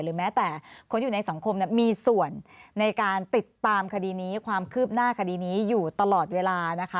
แม้แต่คนที่อยู่ในสังคมมีส่วนในการติดตามคดีนี้ความคืบหน้าคดีนี้อยู่ตลอดเวลานะคะ